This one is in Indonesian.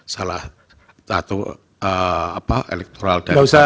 salah satu elektoral dari pada mulia